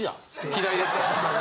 左ですか？